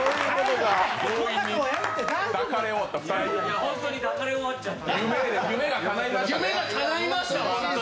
ホントに抱かれ終わっちゃって。